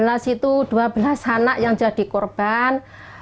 tahun dua ribu lima belas itu dua belas anak yang jadi korban